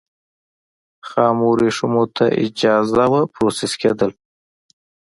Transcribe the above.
خامو ورېښمو ته اجازه وه پروسس کېدل.